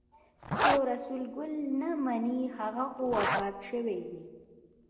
که رسول ګل نه مني هغه خو وفات شوی دی.